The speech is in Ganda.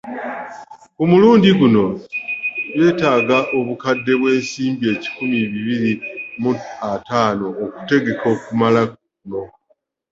Ku mulundi guno beetaaga obukadde bw’ensimbi ebikumi bibiri mu ataano okutegeka okulamaga kuno